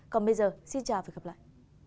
còn bây giờ xin chào và hẹn gặp lại